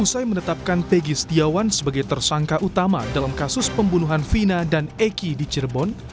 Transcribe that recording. usai menetapkan teki setiawan sebagai tersangka utama dalam kasus pembunuhan vina dan eki di cirebon